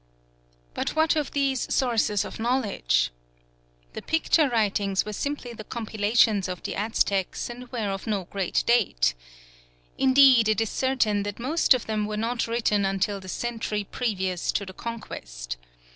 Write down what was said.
But what of these sources of knowledge? The picture writings were simply the compilations of the Aztecs, and were of no great date. Indeed it is certain that most of them were not written until the century previous to the Conquest.